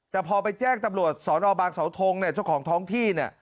แต่พอไปแจ้งตำรวจสอนอบางสาวทงฮะช่วงท้องที่นี่